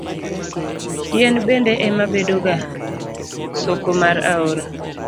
Yien bende ema bedoga soko mar aore.